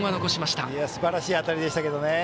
すばらしい当たりでしたが。